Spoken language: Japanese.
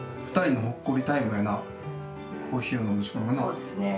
そうですね。